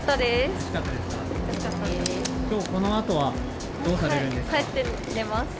今日このあとはどうされるんですか？